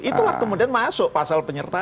itulah kemudian masuk pasal penyertaan